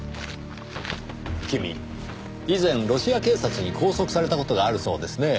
君以前ロシア警察に拘束された事があるそうですねぇ。